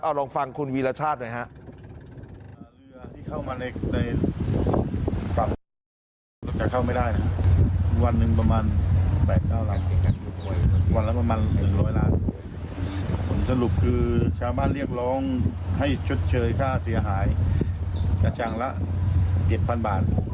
เอาลองฟังคุณวีรชาติหน่อยฮะ